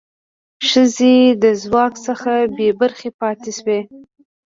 ښځې د ځواک څخه بې برخې پاتې شوې.